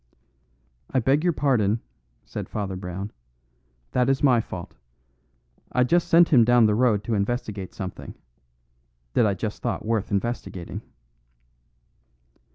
"I beg your pardon," said Father Brown; "that is my fault. I just sent him down the road to investigate something that I just thought worth investigating."